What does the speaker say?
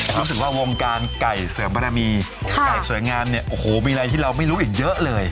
รู้สึกว่าวงการไก่เสริมบารมีไก่สวยงามเนี่ยโอ้โหมีอะไรที่เราไม่รู้อีกเยอะเลย